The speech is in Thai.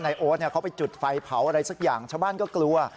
โอ๊ตเขาไปจุดไฟเผาอะไรสักอย่างชาวบ้านก็กลัว